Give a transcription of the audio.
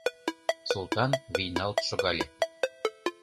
Султан вийналт шогале: